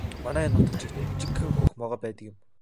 Манай энэ нутагт жижигхэн хөх могой байдаг юм.